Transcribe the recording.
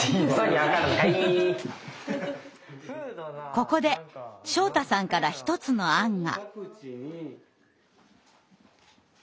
ここで照太さんから１つの案が。